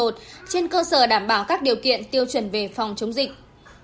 trên cơ sở đảm bảo các điều kiện tiêu chuẩn về phòng chống dịch